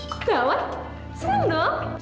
kok gawat seneng dong